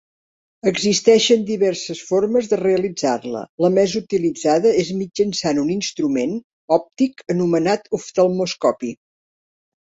Existeixen diverses formes de realitzar-la: la més utilitzada és mitjançant un instrument òptic anomenat oftalmoscopi.